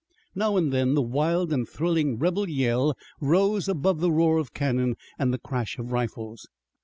Now and then the wild and thrilling rebel yell rose above the roar of cannon and the crash of rifles.